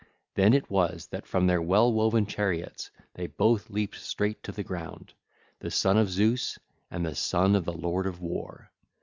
Then it was that from their well woven cars they both leaped straight to the ground, the son of Zeus and the son of the Lord of War.